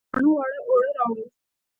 کاڼه واړه اوړه راوړل